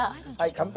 乾杯！